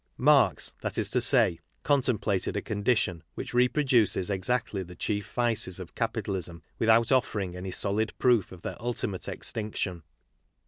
Marx, that is to say, contemplated a condition which reproduces exactly the chief vices of capitalism without offering any solid proof of their ulti mate extinction.